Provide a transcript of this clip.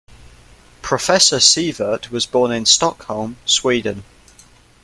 Professor Sievert was born in Stockholm, Sweden.